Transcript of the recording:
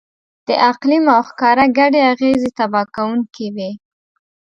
د اقلیم او ښکار ګډې اغېزې تباه کوونکې وې.